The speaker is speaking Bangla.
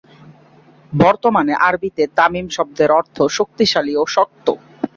বর্তমানে আরবীতে "তামিম" শব্দের অর্থ শক্তিশালী এবং শক্ত।